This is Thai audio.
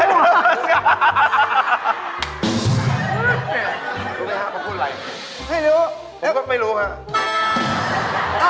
รู้ไหมฮะเขาพูดอะไร